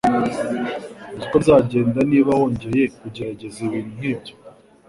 Uzi uko bizagenda niba wongeye kugerageza ibintu nkibyo